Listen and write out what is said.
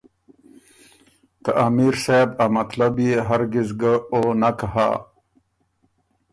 که ته امیر صاحب ا مطلب يې هر ګز ګه او نک هۀ